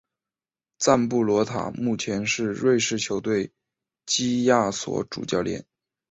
赞布罗塔目前是瑞士球队基亚索主教练。